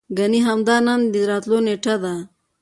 ګني همدا نن يې د راتللو نېټه ده.